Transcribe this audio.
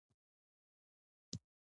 زرغونه تجوید وايي.